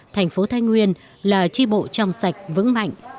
thành phố thái nguyên là tri bộ trong sạch vững mạnh